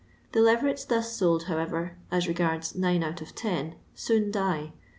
The leverets thus sold, however, as regards nine out of ten, soon die.